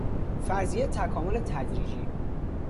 فرضیه تکامل تدریجی